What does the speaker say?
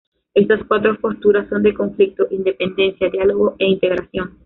Esas cuatro posturas son de conflicto, independencia, diálogo e integración.